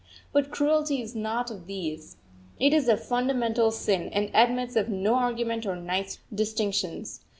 But cruelty is not of these. It is a fundamental sin, and admits of no argument or nice distinctions.